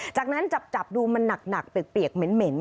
จากนั้นจับดูมันหนักเปียกเหม็น